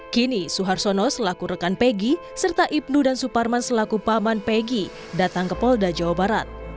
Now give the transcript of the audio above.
kini suhartono selaku rekan pegi serta ibnu dan suparman selaku paman pegi datang ke polda jawa barat